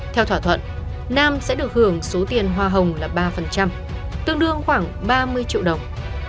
theo thỏa thuận nam sẽ được hưởng số tiền hoa hồng là ba tương đương khoảng ba mươi triệu đồng